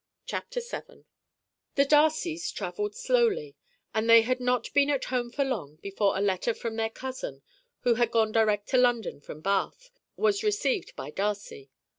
Chapter VII The Darcys travelled slowly, and they had not been at home for long before a letter from their cousin, who had gone direct to London from Bath, was received by Darcy.